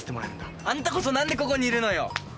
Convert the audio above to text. あんたこそ何でここにいるのよ。